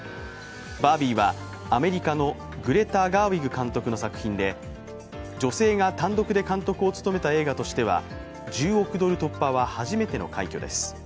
「バービー」はアメリカのグレタ・ガーウィグ監督の作品で女性が単独で監督を務めた映画としては１０億ドル突破は初めての快挙です。